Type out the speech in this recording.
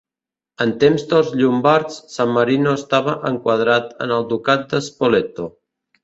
En temps dels llombards, San Marino estava enquadrat en el ducat de Spoleto.